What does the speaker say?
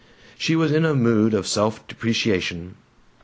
She was in a mood of self depreciation.